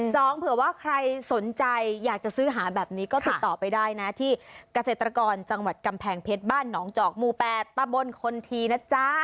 เผื่อว่าใครสนใจอยากจะซื้อหาแบบนี้ก็ติดต่อไปได้นะที่เกษตรกรจังหวัดกำแพงเพชรบ้านหนองจอกหมู่แปดตะบนคนทีนะจ๊ะ